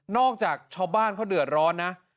จากชาวบ้านเขาเดือดร้อนนะ